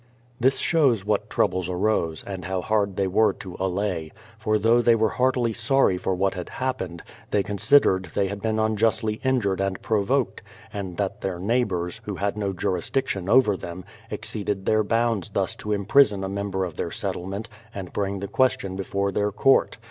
This shows what troubles arose, and how hard they were to allay ; for though they were heartily sorry for what had happened, they considered they had been unjustly injured and provoked, and that their neighbours, who had no jurisdiction over them, exceeded their bounds thus to im prison a member of their settlement and bring the ques tion before their Court.